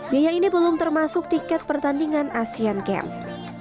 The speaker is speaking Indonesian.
biaya ini belum termasuk tiket pertandingan asian games